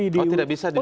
oh tidak bisa dipisahkan